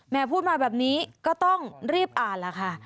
พูดมาแบบนี้ก็ต้องรีบอ่านล่ะค่ะ